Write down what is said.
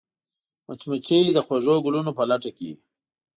مچمچۍ د خوږو ګلونو په لټه کې وي